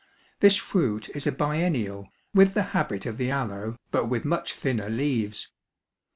This fruit is a biennial, with the habit of the Aloe, but with much thinner leaves.